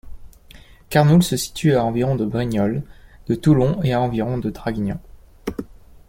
Carnoules se situe à environ de Brignoles, de Toulon et à environ de Draguignan.